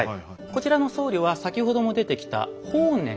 こちらの僧侶は先ほども出てきた法然。